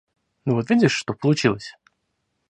Ну вот видишь, что получилось?